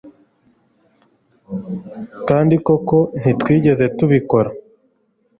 kandi koko ntitwigeze tubikora